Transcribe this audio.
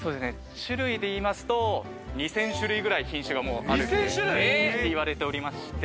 種類でいますと２０００種類ぐらい品種があると言われておりまして。